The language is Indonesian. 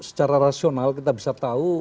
secara rasional kita bisa tahu